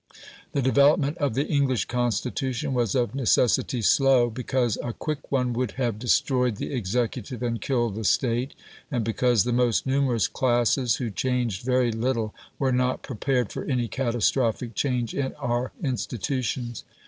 The development of the English Constitution was of necessity slow, because a quick one would have destroyed the executive and killed the State, and because the most numerous classes, who changed very little, were not prepared for any catastrophic change in our institutions.